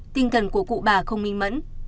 tinh thần của cụ bà không minh mẫn